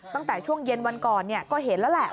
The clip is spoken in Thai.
ตั้งแต่ช่วงเย็นวันก่อนก็เห็นแล้วแหละ